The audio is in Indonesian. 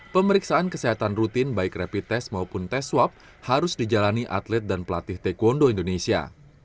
pemeriksaan kesehatan rutin baik rapid test maupun tes swab harus dijalani atlet dan pelatih taekwondo indonesia